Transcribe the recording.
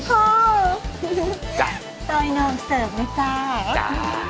ไอ้พ่อจ้ะสอยนมเสิร์ฟไว้จ้ะจ้ะ